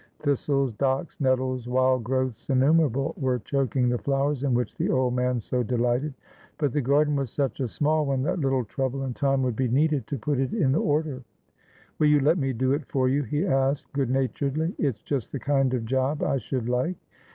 Thistles, docks, nettles, wild growths innumerable, were choking the flowers in which the old man so delighted. But the garden was such a small one that little trouble and time would be needed to put it in order. "Will you let me do it for you?" he asked, good naturedly. "It's just the kind of job I should like."